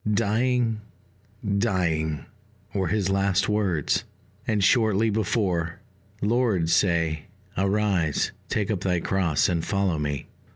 "Dying, dying," were his last words; and shortly before, "Lord, say 'Arise, take up thy cross, and follow me.'"